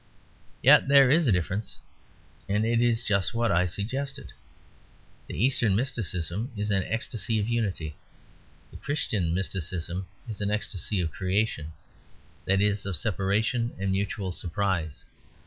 Yet there is a difference, and it is just what I suggested. The Eastern mysticism is an ecstasy of unity; the Christian mysticism is an ecstasy of creation, that is of separation and mutual surprise.